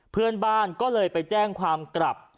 เพื่อนบ้านก็เลยไปแจ้งความกลับ